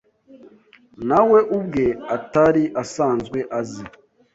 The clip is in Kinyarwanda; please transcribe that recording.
nawe ubwe atari asanzwe azi